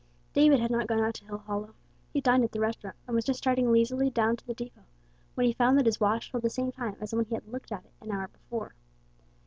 David had not gone out to Hillhollow. He dined at the restaurant, and was just starting leisurely down to the depot when he found that his watch told the same time as when he had looked at it an hour before.